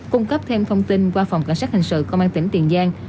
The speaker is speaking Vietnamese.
cung cấp thêm thông tin qua phòng cảnh sát hình sự công an tỉnh tiền giang